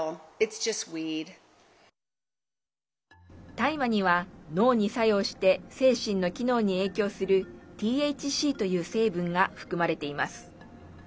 大麻には脳に作用して精神の機能に影響するＴＨＣという成分が含まれています。